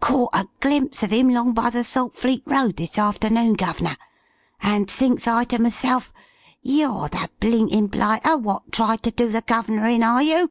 "Caught a glimpse of 'im 'long by the Saltfleet Road this afternoon, Guv'nor, and thinks I to myself, 'You're the blinkin' blighter wot tried to do the Guv'nor in, are you?